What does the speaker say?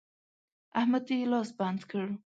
احمد ته يې لاس بند کړ.